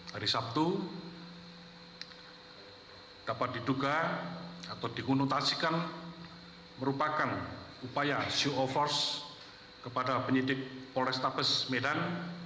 hari sabtu dapat diduga atau dihunutasikan merupakan upaya show of force kepada penyidik polrestabes medan